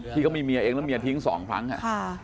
ที่เขามีเมียเองแล้วเมียทิ้งสองครั้งอ่ะ